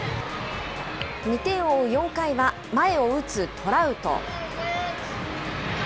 ２点を追う４回は、前を打つトラウト。